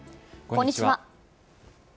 こんにちは。